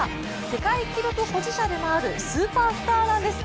世界記録保持者でもあるスーパースターなんです。